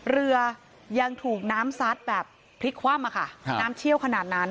เรือยังถูกน้ำซัดแบบพลิกคว่ำอะค่ะน้ำเชี่ยวขนาดนั้น